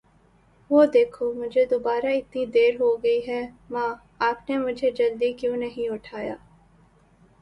وه دیکھو. مجهے دوباره اتنی دیر ہو گئی ہے! ماں، آپ نے مجھے جلدی کیوں نہیں اٹھایا!